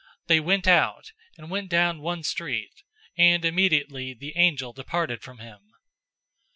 They went out, and went down one street, and immediately the angel departed from him.